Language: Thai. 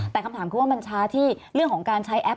แต่คำถามคือว่ามันช้าที่เรื่องของการใช้แอป